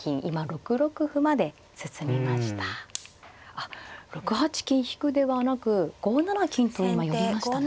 あっ６八金引ではなく５七金と今寄りましたね。